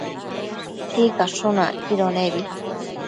Sicashun acquido nebi